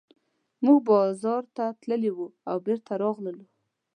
موږ بازار ته تللي وو او بېرته راغلو.